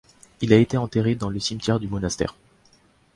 Il a été enterré dans le cimetière du monastère.